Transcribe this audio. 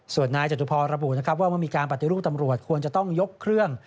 ส่วนนายจตุพรระบุนะครับว่าเมื่อมีการปฏิรูปตำรวจควรจะต้องยกเครื่อง